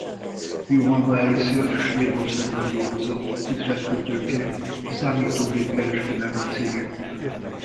Johanna először Svédországban dolgozott üzletkötőként számítógép-kereskedelmi cégeknél.